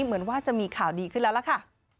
เหมือนว่าจะมีข่าวดีขึ้นแล้วล่ะค่ะ